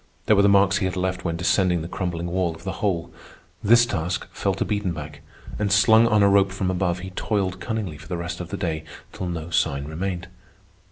There were the marks he had left when descending the crumbling wall of the hole. This task fell to Biedenbach, and, slung on a rope from above, he toiled cunningly for the rest of the day till no sign remained.